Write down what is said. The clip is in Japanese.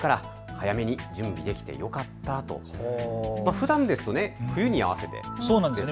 ふだんですと冬に合わせてですよね。